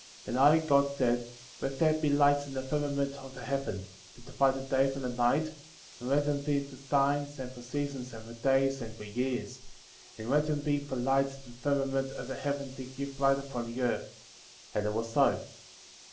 14. And I, God, said : Let there be lights in the firmament of the heaven, to divide the day from the night, and let them be for signs, and for seasons, and for days, and for years ; 15. And let them be for lights in the firmament of the heaven to give light upon the earth; and it was so.